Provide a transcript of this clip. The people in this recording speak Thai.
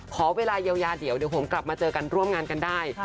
ขอเวลาเยียวยาเดี๋ยวผมกลับมาเจอกันร่วมงานกันได้